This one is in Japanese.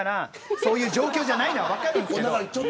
そういう状況じゃないのは分かるんですけど。